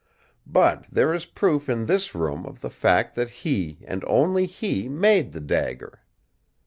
But there is proof in this room of the fact that he and he only made the dagger.